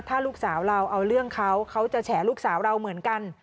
ถ้าลูกสาวเราเอาเรื่องเขาเขาจะแฉลูกสาวเราเหมือนกัน